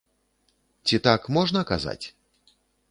Ці так можна казаць?